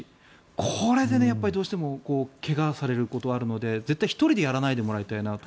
これでどうしても怪我されることがあるので絶対１人でやらないでもらいたいなと。